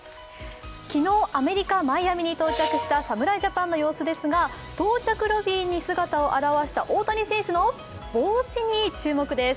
昨日、アメリカ・マイアミに到着した侍ジャパンの様子ですが到着ロビーに姿を現した大谷選手の帽子に注目です。